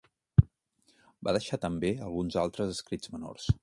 Va deixar també alguns altres escrits menors.